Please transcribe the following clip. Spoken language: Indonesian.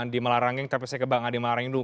di malarangeng terpaksa ke bang hadim malarangeng